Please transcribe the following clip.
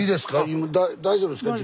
今大丈夫ですか？